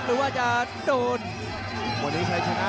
หรือว่าจะถูกโดน